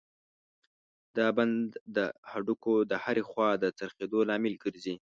دا بند د هډوکو د هرې خوا د څرخېدلو لامل ګرځي.